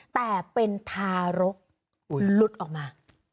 แต่เป็นทารกหลุดออกมา